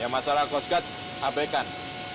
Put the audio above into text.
masalah coast guard abaikan